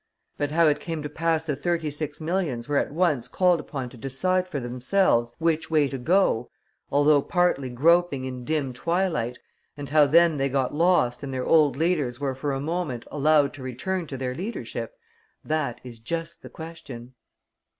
But how it came to pass that thirty six millions were at once called upon to decide for themselves which way to go, although partly groping in dim twilight, and how then they got lost and their old leaders were for a moment allowed to return to their leadership, that is just the question.